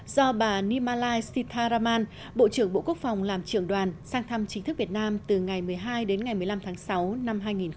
do bà nimalai sitaraman bộ trưởng bộ quốc phòng làm trưởng đoàn sang thăm chính thức việt nam từ ngày một mươi hai đến ngày một mươi năm tháng sáu năm hai nghìn một mươi chín